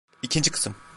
İkinci kısım.